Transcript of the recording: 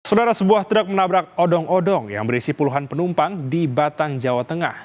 saudara sebuah truk menabrak odong odong yang berisi puluhan penumpang di batang jawa tengah